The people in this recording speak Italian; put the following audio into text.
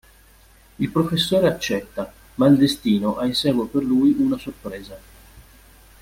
Il professore accetta, ma il destino ha in serbo per lui una sorpresa.